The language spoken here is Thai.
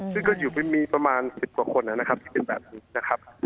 ซึ่งก็อยู่กันมีประมาณ๑๐กว่าคนนะครับที่เป็นแบบนี้นะครับ